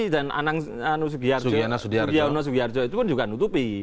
dan anang sugiono sugiono itu pun juga menutupi